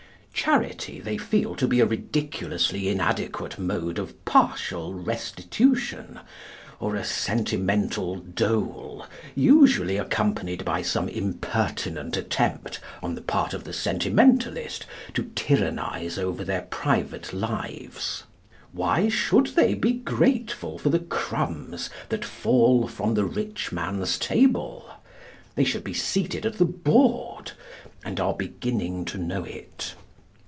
Charity they feel to be a ridiculously inadequate mode of partial restitution, or a sentimental dole, usually accompanied by some impertinent attempt on the part of the sentimentalist to tyrannise over their private lives. Why should they be grateful for the crumbs that fall from the rich man's table? They should be seated at the board, and are beginning to know it.